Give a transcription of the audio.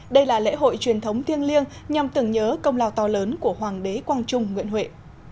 đây là lễ hội truyền thống thiêng liêng nhằm tưởng nhớ công lao to lớn của hoàng đế quang trung nguyễn huệ